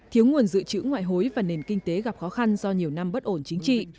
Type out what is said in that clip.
thiếu nguồn dự trữ ngoại hối và nền kinh tế gặp khó khăn do nhiều năm bất ổn chính trị